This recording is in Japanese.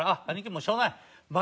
もうしょうがない。